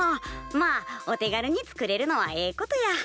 まあお手軽に作れるのはええことや。